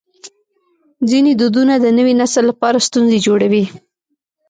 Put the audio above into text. ځینې دودونه د نوي نسل لپاره ستونزې جوړوي.